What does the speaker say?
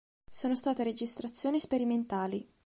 Sono state registrazioni sperimentali.